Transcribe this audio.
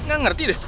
gak ngerti deh